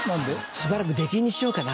しばらく出禁にしようかな。